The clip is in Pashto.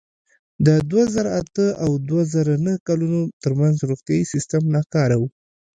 د دوه زره اته او دوه زره نهه کلونو ترمنځ روغتیايي سیستم ناکار و.